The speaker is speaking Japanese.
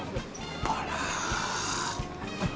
あら。